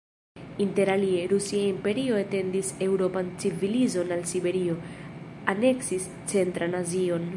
Interalie, Rusia Imperio etendis eŭropan civilizon al Siberio, aneksis centran Azion.